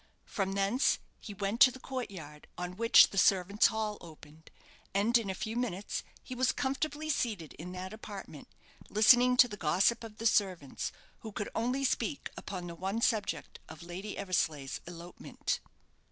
From thence he went to the court yard, on which the servants' hall opened; and in a few minutes he was comfortably seated in that apartment, listening to the gossip of the servants, who could only speak upon the one subject of Lady Eversleigh's elopement.